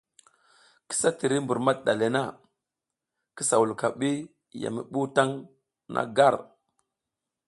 Kisa tiri mbur madiɗa le na, kisa wulka ɓi ya mi ɓuw taƞ na gar.